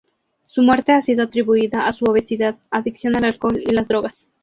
Su muerte ha sido atribuida a su obesidad, adicción al alcohol y las drogas.